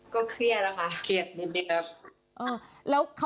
ก็เครียดแล้วค่ะ